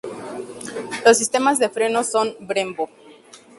Los sistemas de frenos son Brembo.